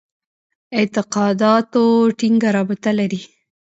اعتقاداتو ټینګه رابطه لري.